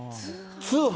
通販？